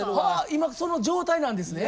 今その状態なんですね。